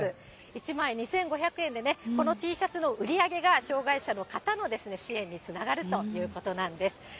１枚２５００円でね、このＴシャツの売り上げが障害者の方のですね、支援につながるということなんです。